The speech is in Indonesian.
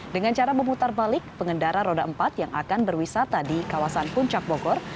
dengan cara memutar balik pengendara roda empat yang akan berwisata di kawasan puncak bogor